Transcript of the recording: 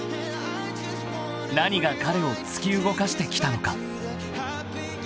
［何が彼を突き動かしてきたのか］